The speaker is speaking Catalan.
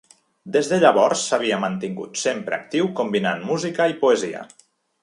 Des de llavors s’havia mantingut sempre actiu combinant música i poesia.